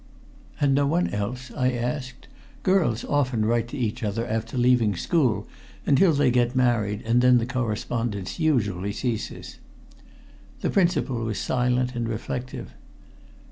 "And no one else?" I asked. "Girls often write to each other after leaving school, until they get married, and then the correspondence usually ceases." The principal was silent and reflective.